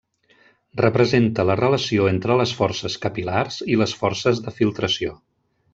Representa la relació entre les forces capil·lars i les forces de filtració.